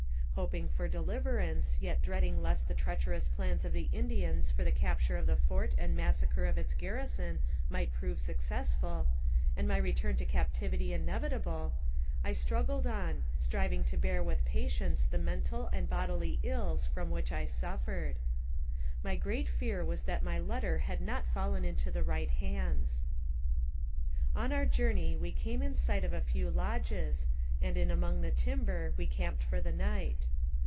Hoping for deliverance, yet dreading lest the treacherous plans of the Indians for the capture of the fort and massacre of its garrison might prove successful, and my return to captivity inevitable, I struggled on, striving to bear with patience the mental and bodily ills from which I suffered. My great fear was that my letter had not fallen into the right hands. On our journey we came in sight of a few lodges, and in among the timber we camped for the night.